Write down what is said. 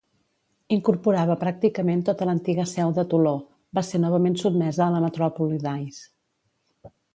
Incorporava pràcticament tota l'antiga seu de Toló; va ser novament sotmesa a la metròpoli d'Ais.